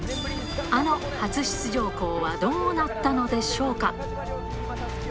あの初出場校はどうなったのでしょうか。